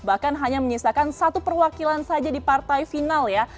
bahkan hanya menyisakan satu perwakilan saja di partai final ya